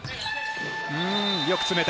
よく詰めた！